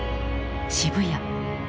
渋谷。